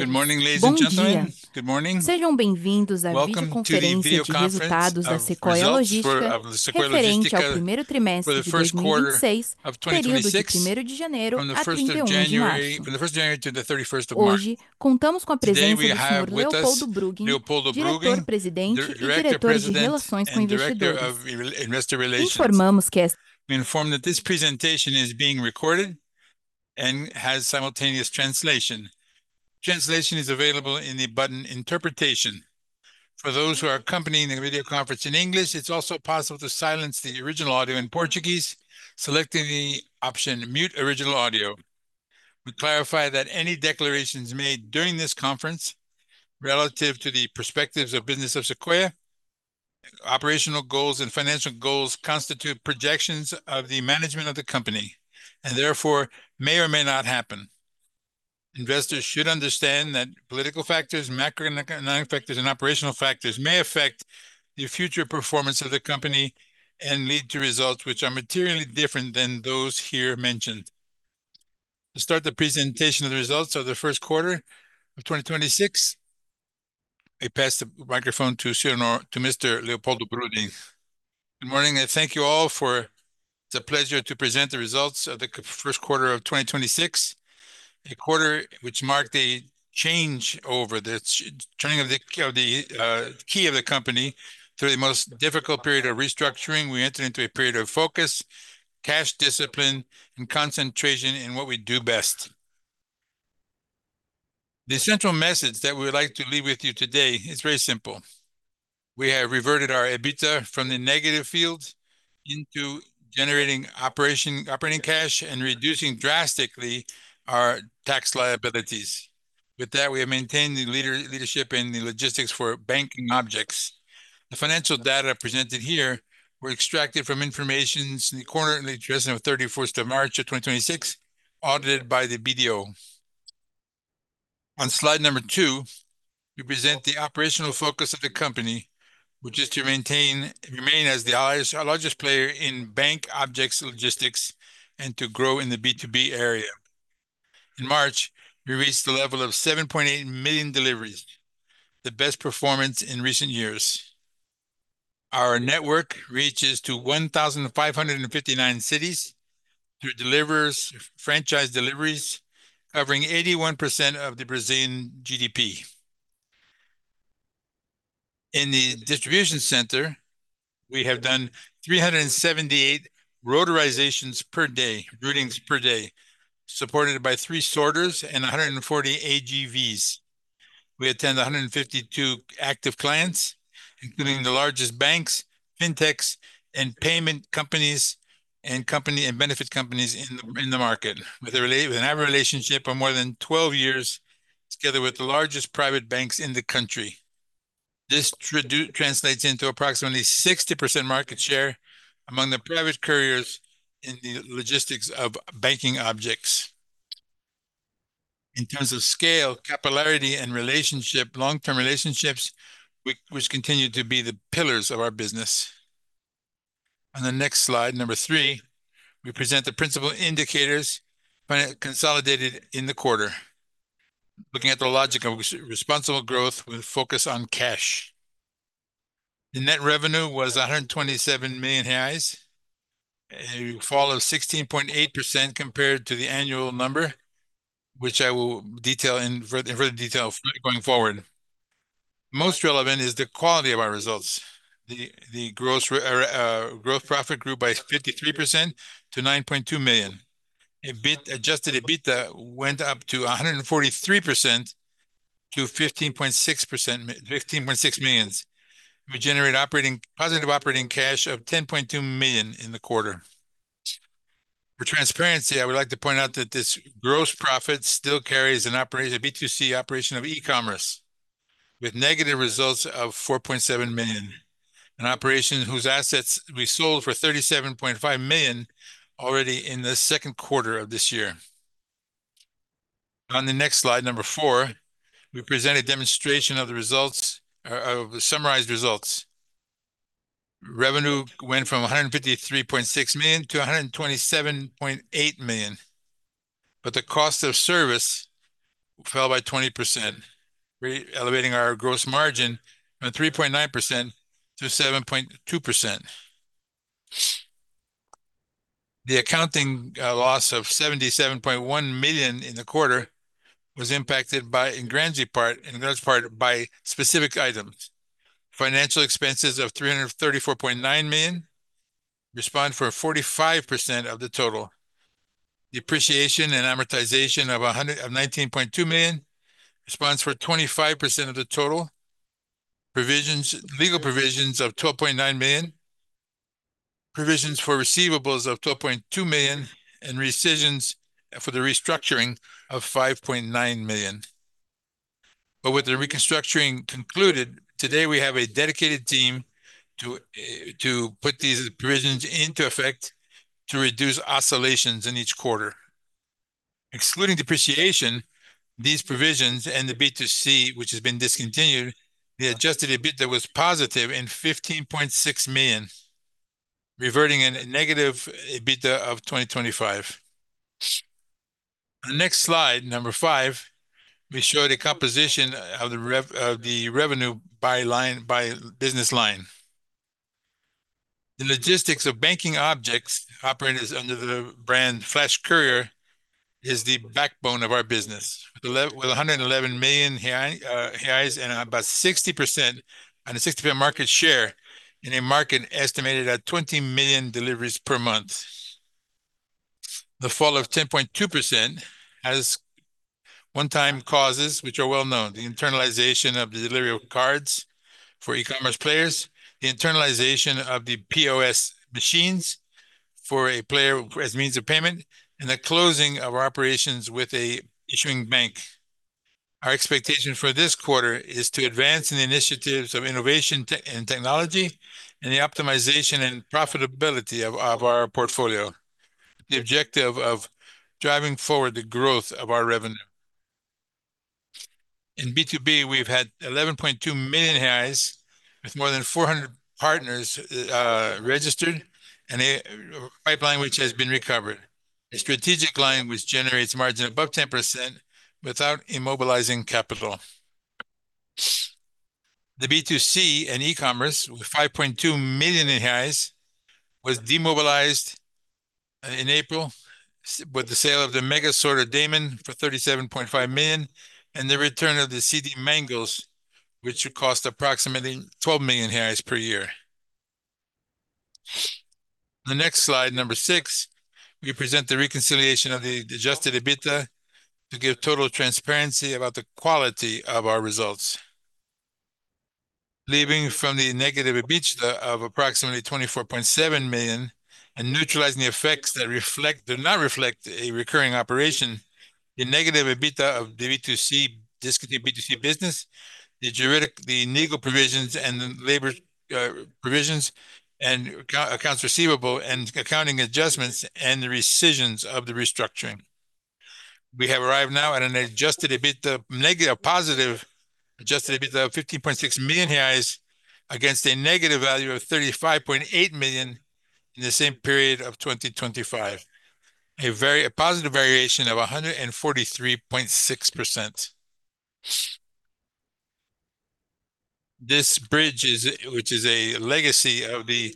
Good morning, ladies and gentlemen. Good morning, welcome to the video conference of results for Sequoia Logística for the first quarter of 2026, from the 1st January to the 31st of March. Today we have with us Leopoldo Bruggen, Diretor-President and Diretor of Investor Relations. Be informed that this presentation is being recorded and has simultaneous translation. Translation is available in the button, Interpretation. For those who are accompanying the video conference in English, it is also possible to silence the original audio in Portuguese, select the option Mute Original Audio. We clarify that any declarations made during this conference relative to the perspectives of business of Sequoia, operational goals and financial goals constitute projections of the management of the company. And therefore may or may not happen. Investors should understand that political factors, macroeconomic and operational factors may affect the future performance of the company and lead to results which are materially different than those her mentioned. To start the presentation of the first quarter of 2026, I pass the record phone to Mr. Leopoldo Bruggen. Good morning and thank you all. It's a pleasure to present the results of the first quarter of 2026, a quarter which marked a change over the turning of the key of the company through the most difficult period of restructuring. We entered into a period of focus, cash discipline, and concentration in what we do best. The central message that we would like to leave with you today is very simple. We have reverted our EBITDA from the negative field into generating operating cash and reducing drastically our tax liabilities. With that, we have maintained the leadership in the logistics for banking objects. The financial data presented here were extracted from information in the quarter ending 31st of March 2026, audited by the BDO. On slide number two, we present the operational focus of the company, which is to remain as the largest player in bank objects logistics and to grow in the B2B area. In March, we reached a level of 7.8 million deliveries, the best performance in recent years. Our network reaches to 1,559 cities through franchise deliveries, covering 81% of the Brazilian GDP. In the distribution center, we have done 378 rotorizations per day, routings per day, supported by three sorters and 140 AGVs. We attend 152 active clients, including the largest banks, fintechs, and payment companies, and benefit companies in the market, with an average relationship of more than 12 years, together with the largest private banks in the country. This translates into approximately 60% market share among the private couriers in the logistics of banking objects. In terms of scale, capillarity, and long-term relationships, which continue to be the pillars of our business. On the next slide, number three, we present the principal indicators consolidated in the quarter. Looking at the logic of responsible growth with focus on cash. The net revenue was 127 million reais, a fall of 16.8% compared to the annual number, which I will detail going forward. Most relevant is the quality of our results. The growth profit grew by 53% to 9.2 million. Adjusted EBITDA went up to 143% to 15.6 million. We generated positive operating cash of 10.2 million in the quarter. For transparency, I would like to point out that this gross profit still carries an B2C operation of e-commerce with negative results of 4.7 million, an operation whose assets we sold for 37.5 million already in the second quarter of this year. On the next slide, number four, we present a demonstration of the summarized results. Revenue went from 153.6 million to 127.8 million, but the cost of service fell by 20%, elevating our gross margin from 3.9% to 7.2%. The accounting loss of 77.1 million in the quarter was impacted in large part by specific items. Financial expenses of 334.9 million respond for 45% of the total. Depreciation and amortization of 19.2 million responds for 25% of the total. Legal provisions of 12.9 million, provisions for receivables of 12.2 million, and rescissions for the restructuring of 5.9 million. With the reconstruction concluded, today we have a dedicated team to put these provisions into effect to reduce oscillations in each quarter. Excluding depreciation, these provisions, and the B2C, which has been discontinued, the adjusted EBITDA was positive in 15.6 million, reverting a negative EBITDA of 2025. On the next slide, number five, we show the composition of the revenue by business line. The logistics of banking objects, operators under the brand Flash Courier, is the backbone of our business. With 111 million and about 60% on a 60% market share in a market estimated at 20 million deliveries per month. The fall of 10.2% has one-time causes which are well known, the internalization of the delivery of cards for e-commerce players, the internalization of the POS machines for a player as means of payment, and the closing of our operations with an issuing bank. Our expectation for this quarter is to advance in the initiatives of innovation and technology and the optimization and profitability of our portfolio. The objective of driving forward the growth of our revenue. In B2B, we've had 11.2 million with more than 400 partners registered and a pipeline which has been recovered, a strategic line which generates margin above 10% without immobilizing capital. The B2C and e-commerce, with 5.2 million, was demobilized in April with the sale of the Mega Sorter Damo for 37.5 million, and the return of the CD Mangels, which would cost approximately 12 million per year. On the next slide, number six, we present the reconciliation of the adjusted EBITDA to give total transparency about the quality of our results. Leaving from the negative EBITDA of approximately 24.7 million and neutralizing the effects that do not reflect a recurring operation, the negative EBITDA of the B2C business, the legal provisions and the labor provisions and accounts receivable and accounting adjustments, and the rescissions of the restructuring. We have arrived now at an adjusted EBITDA, positive adjusted EBITDA of 15.6 million reais against a negative value of 35.8 million in the same period of 2025. A positive variation of 143.6%. This bridge, which is a legacy of the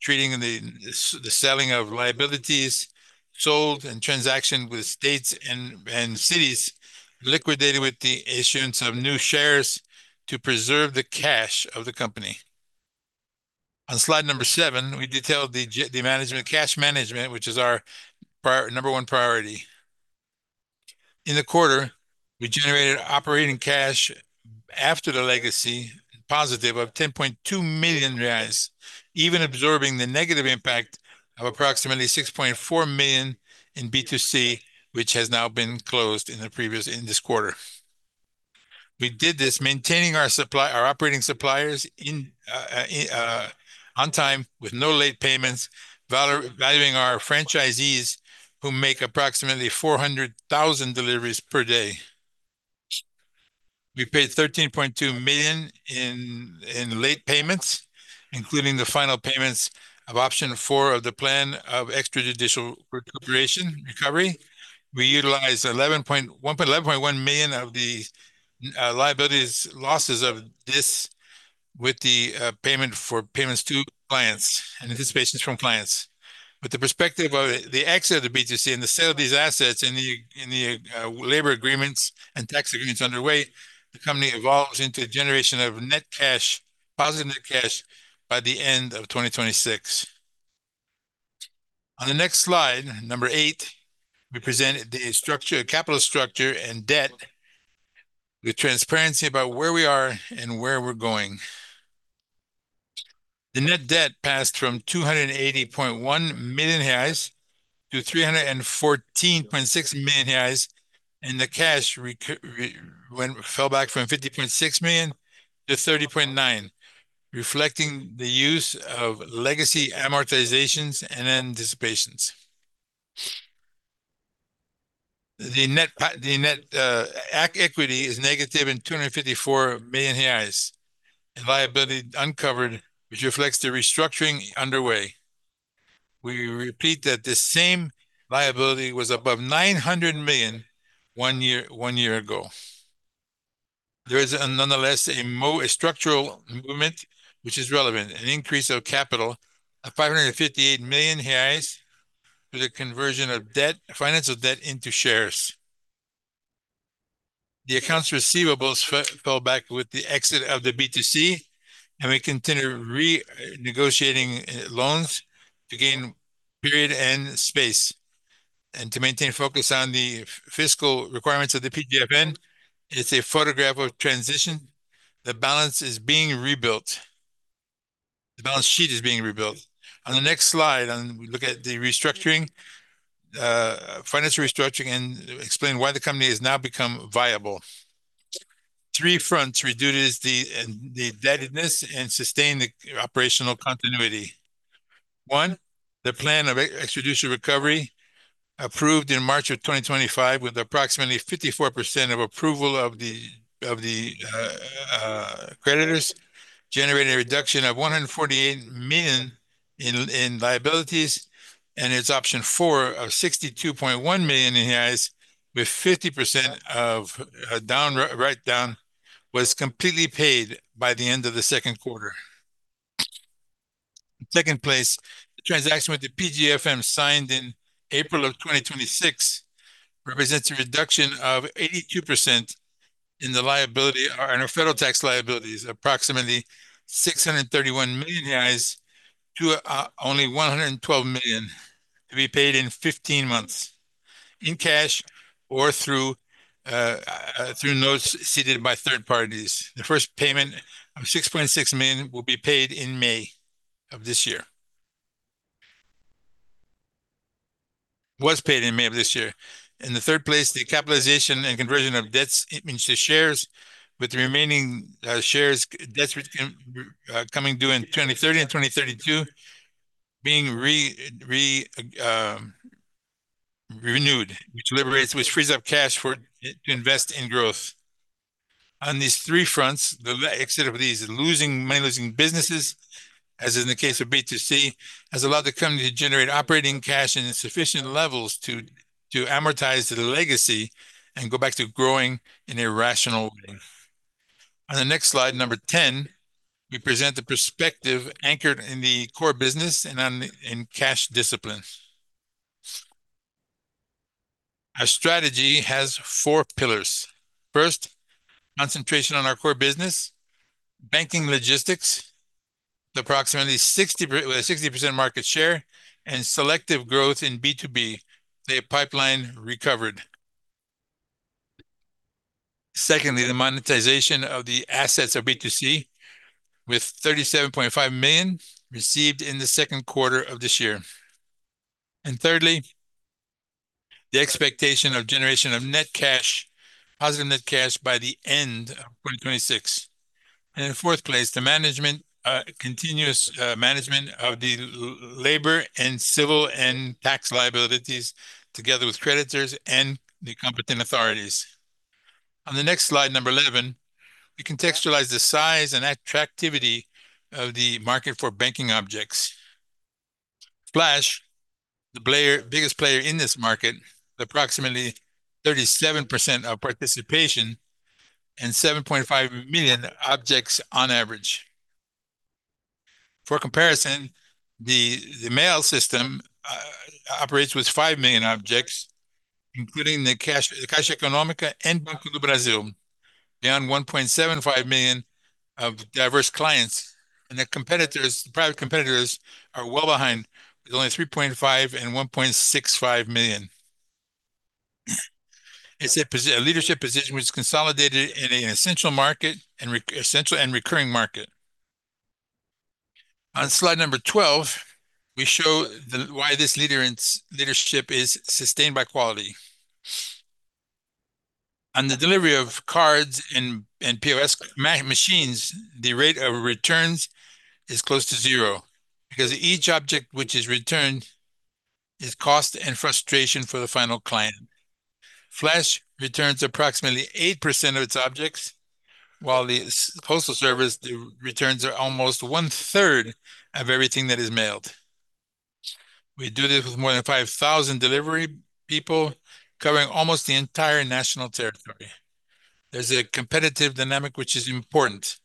treating and the selling of liabilities sold and transaction with states and cities liquidated with the issuance of new shares to preserve the cash of the company. On slide number seven, we detail the cash management, which is our number one priority. In the quarter, we generated operating cash after the legacy, positive of 10.2 million reais, even absorbing the negative impact of approximately 6.4 million in B2C, which has now been closed in this quarter. We did this maintaining our operating suppliers on time with no late payments, valuing our franchisees, who make approximately 400,000 deliveries per day. We paid 13.2 million in late payments, including the final payments of option four of the plan of extrajudicial recovery. We utilized 11.1 million of the liabilities losses of this with the payment for payments to clients and anticipations from clients. With the perspective of the exit of the B2C and the sale of these assets and the labor agreements and tax agreements underway, the company evolves into a generation of net cash, positive net cash by the end of 2026. On the next slide, number eight, we present the capital structure and debt with transparency about where we are and where we're going. The net debt passed from 280.1 million reais to 314.6 million reais, and the cash fell back from 50.6 million to 30.9 million, reflecting the use of legacy amortizations and anticipations. The net equity is negative in 254 million reais, and liability uncovered, which reflects the restructuring underway. We repeat that the same liability was above 900 million one year ago. There is nonetheless a structural movement which is relevant, an increase of capital of 558 million reais with a conversion of financial debt into shares. The accounts receivables fell back with the exit of the B2C, and we continue renegotiating loans to gain period and space, and to maintain focus on the fiscal requirements of the PGFN. It's a photograph of transition. The balance is being rebuilt. The balance sheet is being rebuilt. On the next slide, we look at the restructuring, financial restructuring, and explain why the company has now become viable. Three fronts reduced the indebtedness and sustained the operational continuity. One, the plan of extrajudicial recovery approved in March 2025 with approximately 54% of approval of the creditors, generated a reduction of 148 million in liabilities, and its option four of 62.1 million, with 50% of write down, was completely paid by the end of the second quarter. In second place, the transaction with the PGFN signed in April 2026 represents a reduction of 82% in our federal tax liabilities, approximately 631 million reais to only 112 million, to be paid in 15 months in cash or through notes ceded by third parties. The first payment of 6.6 million was paid in May of this year. In the third place, the capitalization and conversion of debts into shares, with the remaining shares, debts coming due in 2030 and 2032 being renewed, which frees up cash to invest in growth. On these three fronts, the exit of these money-losing businesses, as in the case of B2C, has allowed the company to generate operating cash in sufficient levels to amortize the legacy and go back to growing in a rational way. On the next slide, number 10, we present the perspective anchored in the core business and in cash discipline. Our strategy has four pillars. First, concentration on our core business, banking logistics with approximately 60% market share, and selective growth in B2B, the pipeline recovered. Secondly, the monetization of the assets of B2C, with 37.5 million received in the second quarter of this year. Thirdly, the expectation of generation of positive net cash by the end of 2026. In fourth place, the continuous management of the labor and civil and tax liabilities together with creditors and the competent authorities. On slide 11, we contextualize the size and attractiveness of the market for banking objects. Flash, the biggest player in this market, approximately 37% of participation and 7.5 million objects on average. For comparison, the mail system operates with 5 million objects, including the Caixa Econômica and Banco do Brasil, beyond 1.75 million of diverse clients. The private competitors are well behind with only 3.5 million and 1.65 million. It's a leadership position which is consolidated in an essential and recurring market. On slide 12, we show why this leadership is sustained by quality. On the delivery of cards and POS machines, the rate of returns is close to zero, because each object which is returned is cost and frustration for the final client. Flash returns approximately 8% of its objects, while the postal service, the returns are almost 1/3 of everything that is mailed. We do this with more than 5,000 delivery people covering almost the entire national territory. There's a competitive dynamic which is important.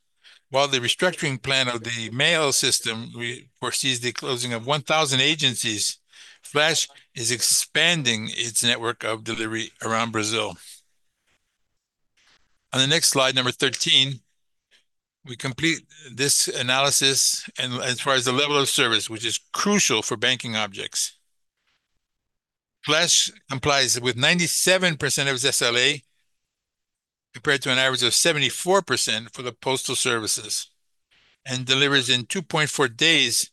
While the restructuring plan of the mail system foresees the closing of 1,000 agencies, Flash is expanding its network of delivery around Brazil. On the next slid`e, number 13, we complete this analysis as far as the level of service, which is crucial for banking objects. Flash complies with 97% of its SLA, compared to an average of 74% for the postal services, and delivers in 2.4 days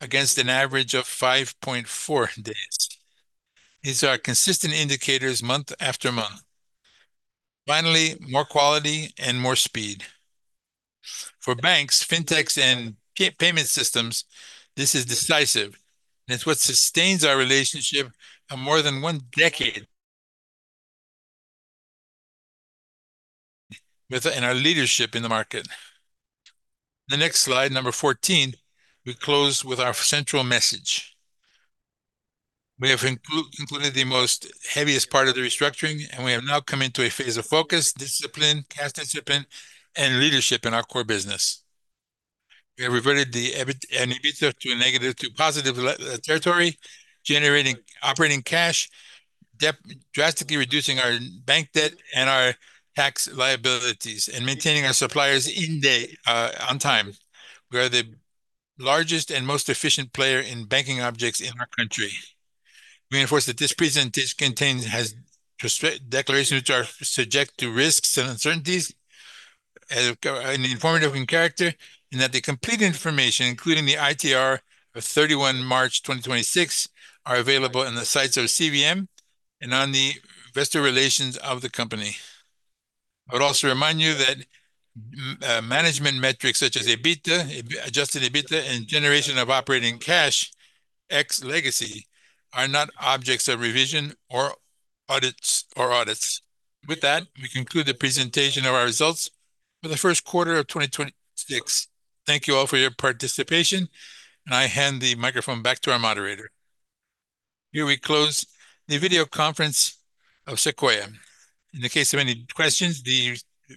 against an average of 5.4 days. These are consistent indicators month after month. Finally, more quality and more speed. For banks, fintechs, and payment systems, this is decisive, and it's what sustains our relationship of more than one decade and our leadership in the market. On the next slide, number 14, we close with our central message. We have included the heaviest part of the restructuring. We have now come into a phase of focus, discipline, cash discipline, and leadership in our core business. We have reverted the EBITDA to a negative to positive territory, generating operating cash, drastically reducing our bank debt and our tax liabilities, maintaining our suppliers in day, on time. We are the largest and most efficient player in banking objects in our country. We reinforce that this presentation has declarations which are subject to risks and uncertainties as an informative in character. The complete information, including the ITR of 31 March 2026, are available in the sites of CVM and on the investor relations of the company. I would also remind you that management metrics such as EBITDA, adjusted EBITDA, and generation of operating cash ex legacy are not objects of revision or audits. With that, we conclude the presentation of our results for the first quarter of 2026. Thank you all for your participation. I hand the microphone back to our moderator. Here we close the video conference of Sequoia. In the case of any questions, the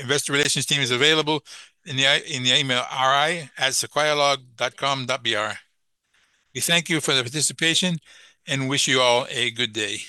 investor relations team is available in the email, ri@sequoialog.com.br. We thank you for the participation and wish you all a good day.